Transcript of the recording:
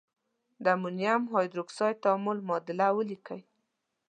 د امونیم هایدرواکساید تعامل معادله ولیکئ.